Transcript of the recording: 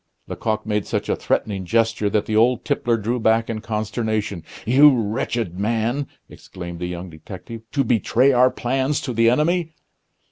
Lecoq made such a threatening gesture that the old tippler drew back in consternation. "You wretched man!" exclaimed the young detective, "to betray our plans to the enemy!"